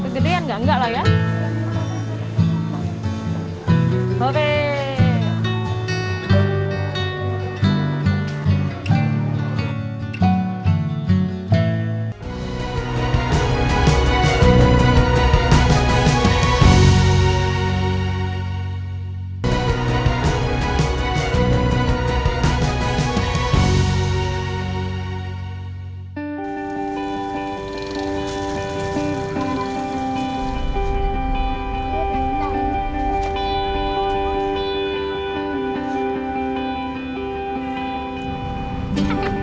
jika ada kesempatan yang sangat ter zat